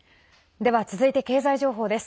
では、続いて経済情報です。